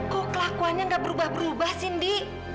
kok kelakuannya gak berubah berubah sih indi